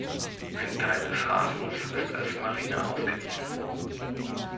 Ein Teil des Hafens ist als Marina ausgewiesen.